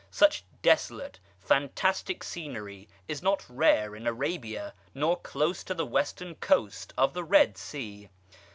Such desolate, fantastic scenery is not rare in Arabia nor close to the western coast of the Red Sea.